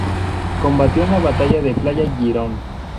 Combatió en la batalla de Playa Girón.